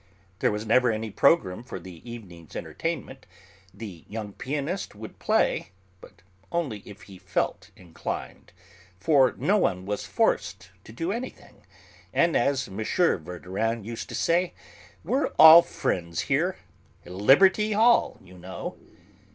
There was never any programme for the evening's entertainment. The young pianist would play, but only if he felt inclined, for no one was forced to do anything, and, as M. Verdurin used to say: "We're all friends here. Liberty Hall, you know!"